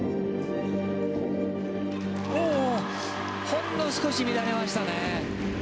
ほんの少し乱れましたね。